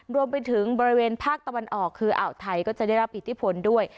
รวมไปถึงบริเวณภาคตะวันออกคืออ่าวไทยก็จะได้รับอิทธิพลด้วย